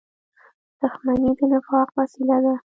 • دښمني د نفاق وسیله ده.